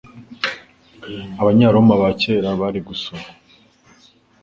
Abanyaroma ba kera bari gusoma